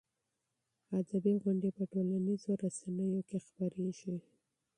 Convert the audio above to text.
ادبي غونډې په ټولنیزو رسنیو کې خپرېږي.